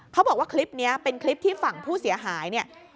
เขาบอกว่าคลิปนี้เป็นคลิปที่ฝั่งผู้เสียหายเนี่ย